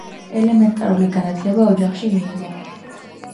ელემენტარული განათლება ოჯახში მიიღო.